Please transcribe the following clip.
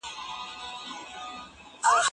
شاګرد اوس مهال په کتابتون کي مطالعه کوي.